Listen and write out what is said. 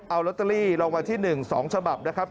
เอารโรตเตอรี่ลองมาที่๑๒ฉบับนะครับ